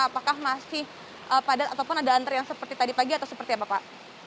apakah masih padat ataupun ada antrian seperti tadi pagi atau seperti apa pak